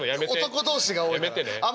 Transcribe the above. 男同士が多いから。